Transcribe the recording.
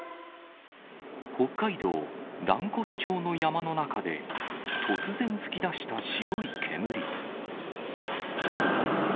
北海道蘭越町の山の中で、突然噴き出した白い煙。